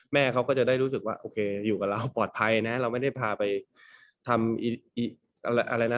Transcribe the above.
แม่เขาก็จะได้รู้สึกว่าโอเคอยู่กับเราปลอดภัยนะเราไม่ได้พาไปทำอะไรนะ